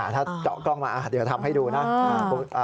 ถ้าเจาะกล้องมาเดี๋ยวทำให้ดูนะ